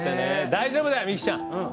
大丈夫だよみきちゃん。